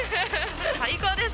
最高です！